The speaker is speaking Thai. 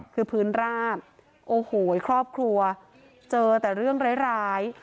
คือพื้นราบโอ้โหครอบครัวเจอแต่เรื่องร้าย